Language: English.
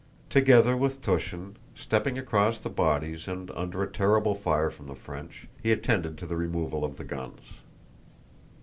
Together with Túshin, stepping across the bodies and under a terrible fire from the French, he attended to the removal of the guns.